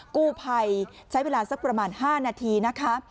กู้ภัยใช้เวลาสักประมาณ๕นาทีนะคะ